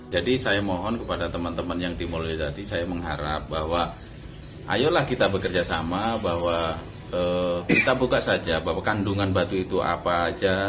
jadi saya mohon kepada teman teman yang di mulyo tadi saya mengharap bahwa ayolah kita bekerja sama bahwa kita buka saja bahwa kandungan batu itu apa aja